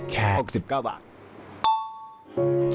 แค่๖๙บาท